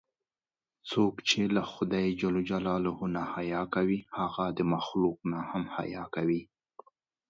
څوک چې له خدای نه حیا کوي، هغه د مخلوق نه هم حیا کوي.